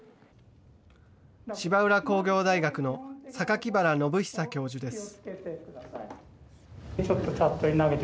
芝浦工業大学の榊原暢久教授です。